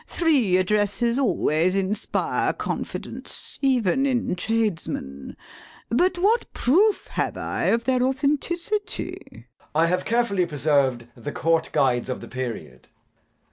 Three addresses always inspire confidence, even in tradesmen. But what proof have I of their authenticity? JACK. I have carefully preserved the Court Guides of the period.